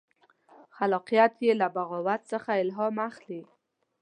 خلاقیت یې له بغاوت څخه الهام اخلي.